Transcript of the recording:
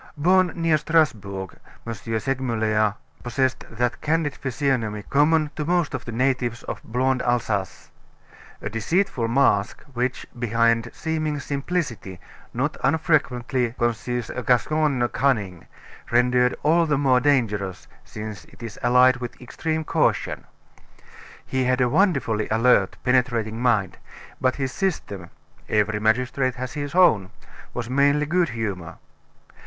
Born near Strasbourg, M. Segmuller possessed that candid physiognomy common to most of the natives of blonde Alsace a deceitful mask, which, behind seeming simplicity, not unfrequently conceals a Gascon cunning, rendered all the more dangerous since it is allied with extreme caution. He had a wonderfully alert, penetrating mind; but his system every magistrate has his own was mainly good humor.